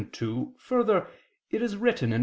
2: Further, it is written (Wis.